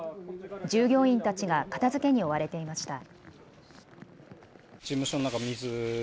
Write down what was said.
従業員たちが片づけに追われていました。